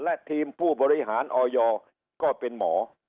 และทีมผู้บริหารออยก็เป็นหมอ